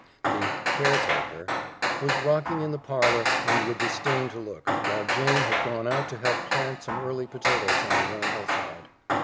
The "caretaker" was rocking in the parlor and would disdain to look, while Jane had gone out to help plant some early potatoes on a warm hillside.